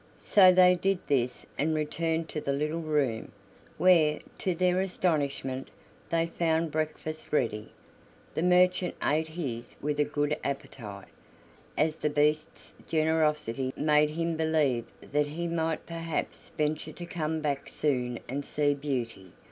So they did this and returned to the little room, where, to their astonishment, they found breakfast ready. The merchant ate his with a good appetite, as the Beast's generosity made him believe that he might perhaps venture to come back soon and see Beauty.